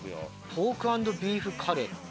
ポーク＆ビーフカレー。